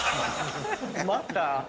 また？